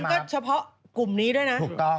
แล้วมันก็เฉพาะกลุ่มนี้ด้วยนะ